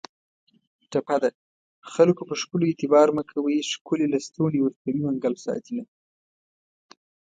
ټپه ده: خکلو په ښکلو اعتبار مه کوی ښکلي لستوڼي ورکوي منګل ساتینه